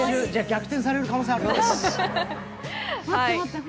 逆転される可能性あるな。